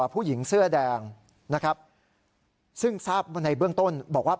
ผู้หญิงเสื้อแดงนะครับซึ่งทราบในเบื้องต้นบอกว่า